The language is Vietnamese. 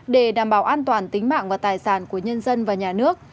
để đảm bảo an toàn tính mạng và tài sản của nhân dân và nhà nước